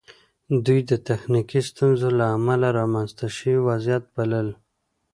دوی د تخنیکي ستونزو له امله رامنځته شوی وضعیت بلل